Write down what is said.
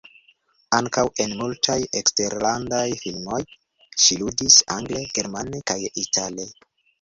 Ankaŭ en multaj eksterlandaj filmoj ŝi ludis, angle, germane kaj itale.